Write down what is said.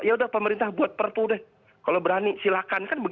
ya udah pemerintah buat pertu deh